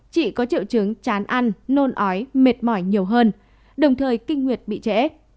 chị có triệu chứng chán ăn nôn ói mệt mỏi nhiều hơn đồng thời kinh nguyệt bị trễ